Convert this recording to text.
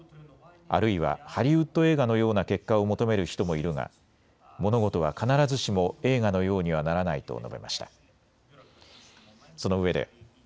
あるいはハリウッド映画のような結果を求める人もいるが物事は必ずしも映画のようにはならないと述べました。